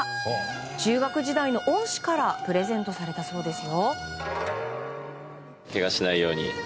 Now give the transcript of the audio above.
中学時代の恩師からプレゼントされたそうですよ。